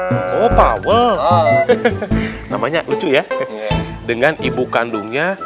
dengan ibu kandungnya pawel namanya lucu ya dengan ibu kandungnya pawel namanya lucu ya dengan ibu kandungnya